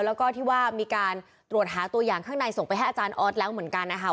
แล้วก็ที่ว่ามีการตรวจหาตัวอย่างข้างในส่งไปให้อาจารย์ออสแล้วเหมือนกันนะคะ